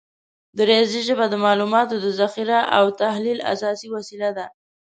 د ریاضي ژبه د معلوماتو د ذخیره او تحلیل اساسي وسیله ده.